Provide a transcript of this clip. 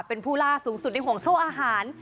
เป็นผู้ล่าสูงสุดในห่วงโซ่อาหาร